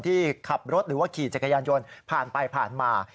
ที่ขับรถหรือว่าขี่จักรยานยนต์ผ่านไปผ่านมา